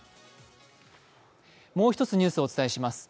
もう一つ、ニュースをお伝えします。